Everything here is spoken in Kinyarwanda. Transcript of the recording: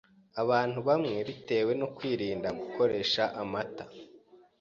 Abantu bamwe, bitewe no kwirinda gukoresha amata